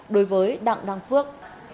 đối với đảng đăng phước